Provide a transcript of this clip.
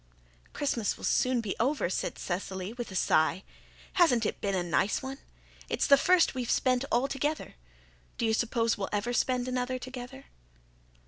"Christmas will soon be over," said Cecily, with a sigh. "Hasn't it been a nice one? It's the first we've all spent together. Do you suppose we'll ever spend another together?"